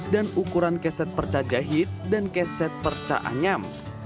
dan ukuran keset perca jahit dan keset perca anyam